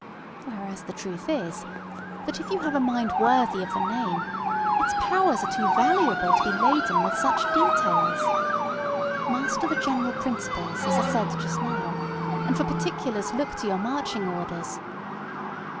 Whereas the truth is, that if you have a mind worthy of the name, its powers are too valuable to be laden with such details. Master the general principles, as I said just now, and for particulars look to your marching orders.